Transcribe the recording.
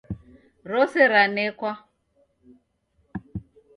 Rose ranekwa